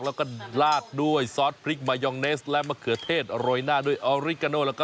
แล้วก็ลาดด้วยซอสพริกมายองเนสและมะเขือเทศโรยหน้าด้วยออริกาโนแล้วก็